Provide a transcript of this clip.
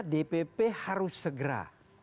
dpp harus segera